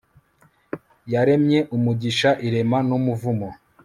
yaremye umugisha irema n'umuvumo